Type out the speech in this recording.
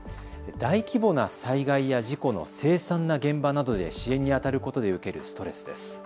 大規模な災害や事故の凄惨な現場などで支援にあたることで受けるストレスです。